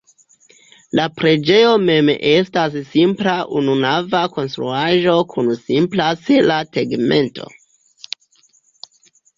La preĝejo mem estas simpla ununava konstruaĵo kun simpla sela tegmento.